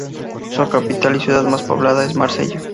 Su capital y ciudad más poblada es Marsella.